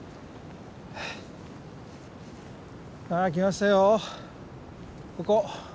さあ来ましたよ。